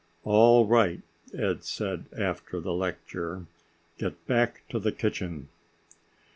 "All right," Ed said after the lecture. "Get back to the kitchen."